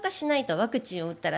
ワクチンを打った場合。